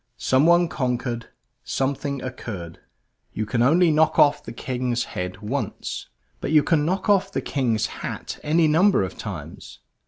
Someone conquered; something occurred. You can only knock off the King's head once. But you can knock off the King's hat any number of times.